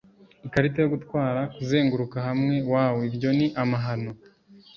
ikarita yo gutwara 'kuzenguruka hamwe, wow ibyo ni amahano